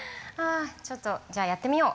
ちょっとじゃあやってみよう。